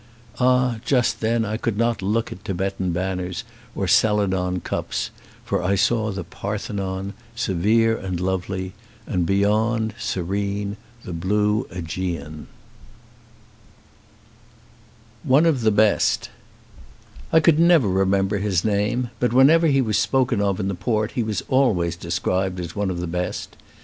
Ah, just then I could not look at Tibetan banners or celadon cups ; for I saw the Parthenon, severe and lovely, and beyond, serene, the blue iEgean. 210 OI ONE OF THE BEST I COULD never remember his name, but when ever he was spoken of in the port he was always described as one of the best.